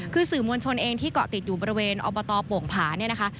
คือสื่อมวลชนเองที่เกาะติดอยู่บริเวณอบตโป่งผาเนี่ยนะคะ